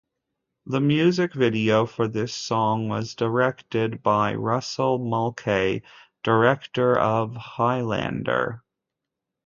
The music video for this song was directed by Russell Mulcahy, director of "Highlander".